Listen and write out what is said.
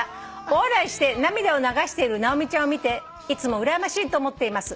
「大笑いして涙を流している直美ちゃんを見ていつもうらやましいと思っています」